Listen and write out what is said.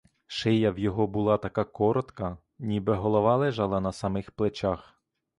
Шия в його була така коротка, ніби голова лежала на самих плечах.